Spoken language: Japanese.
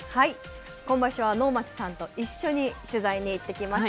今場所は能町さんと一緒に取材に行ってきました。